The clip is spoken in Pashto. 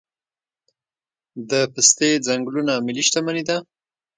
د پستې ځنګلونه ملي شتمني ده؟